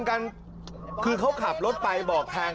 อย่าเบี๊กอย่าเบี๊กอย่าเบี๊ก